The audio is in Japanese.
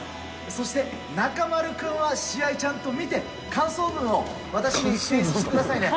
そして中丸君は試合、ちゃんと見て、感想文を私に提出してくださいね。